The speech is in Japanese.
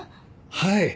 はい！